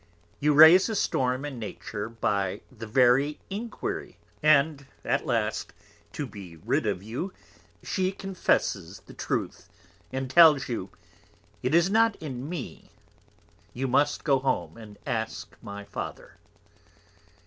You raise a Storm in Nature by the very Inquiry; and at last, to be rid of you, she confesses the Truth, and tells you, It is not in Me, you must go Home and ask my Father.